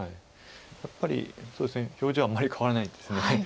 やっぱり表情はあんまり変わらないんですね。